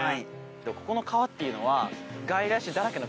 ここの川っていうのは。